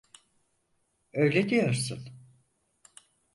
Öyle diyorsun.